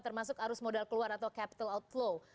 termasuk arus modal keluar atau capital outflow